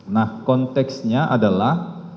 nah konteksnya adalah